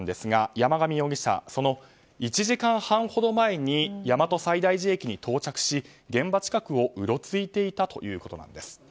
山上容疑者その１時間半ほど前に大和西大寺駅前に到着し現場近くをうろついていたということなんです。